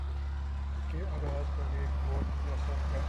کے آغاز پر ایک بورڈ نصب ہے